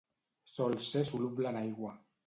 Sol ser soluble en aigua.